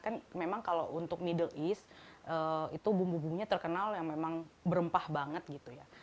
kan memang kalau untuk middle east itu bumbu bumbunya terkenal yang memang berempah banget gitu ya